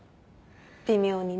微妙にね。